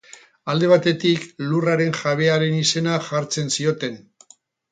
Alde batetik, lurraren jabearen izena jartzen zioten.